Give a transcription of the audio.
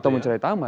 atau mencederai tama